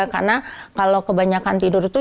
karena kalau kebanyakan tidur itu